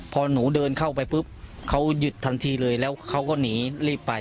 พอหนูเดินเข้าไปปุ๊บเขาหยุดทันทีเลยแล้วเขาก็หนีรีบไป